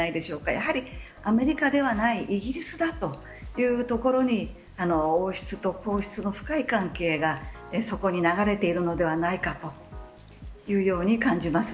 やはり、アメリカではないイギリスだというところに王室と皇室の深い関係がそこに流れているのではないかというように感じます。